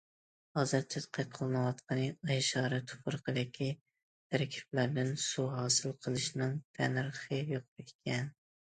ھازىر تەتقىق قىلىنىۋاتقىنى ئاي شارى تۇپرىقىدىكى تەركىبلەردىن سۇ ھاسىل قىلىشنىڭ تەننەرخى يۇقىرى ئىكەن.